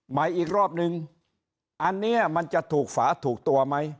อีกรอบนึงอันนี้มันจะถูกฝาถูกตัวไหม